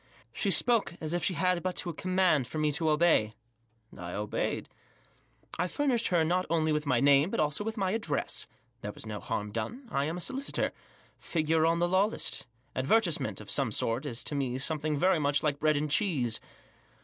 She spoke as if she had but to command for me to obey ; I obeyed. I furnished her not only with my name, but, also, with my address. There was no harm done. I am a solicitor ; figure on the law list ; advertisement, of some sort, is to me some thing very much like bread and cheese.